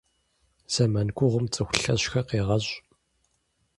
Зэман гугъум цӏыху лъэщхэр къегъэщӏ.